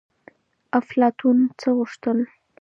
افلاطون څه غوښتل؟